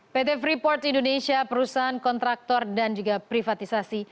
pt freeport indonesia perusahaan kontraktor dan juga privatisasi